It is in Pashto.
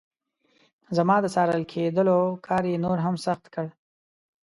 زما د څارل کېدلو کار یې نور هم سخت کړ.